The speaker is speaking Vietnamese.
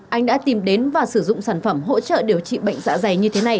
anh đã tìm đến và sử dụng sản phẩm hỗ trợ điều trị bệnh dạ dày như thế này